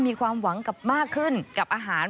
มีความหวังกับมากขึ้นกับอาหาร